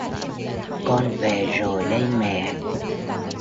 con về rồi đây mẹ